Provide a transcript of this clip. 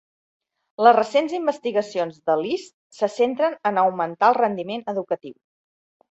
Les recents investigacions de List se centren en augmentar el rendiment educatiu.